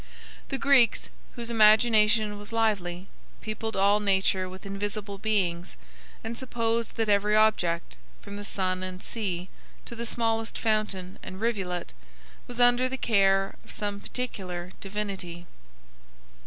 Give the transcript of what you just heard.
The Greeks, whose imagination was lively, peopled all nature with invisible beings, and supposed that every object, from the sun and sea to the smallest fountain and rivulet, was under the care of some particular divinity.